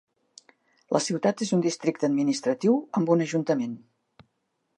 La ciutat és un districte administratiu, amb un ajuntament.